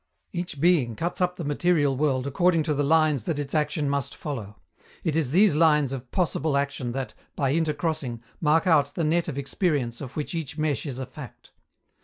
Each being cuts up the material world according to the lines that its action must follow: it is these lines of possible action that, by intercrossing, mark out the net of experience of which each mesh is a fact.